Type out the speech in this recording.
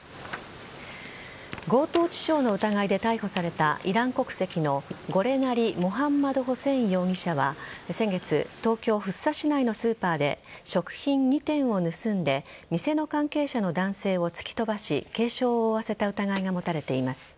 強盗致傷の疑いで逮捕されたイラン国籍のゴレナリ・モハンマドホセイン容疑者は先月、東京・福生市内のスーパーで食品２点を盗んで店の関係者の男性を突き飛ばし軽傷を負わせた疑いが持たれています。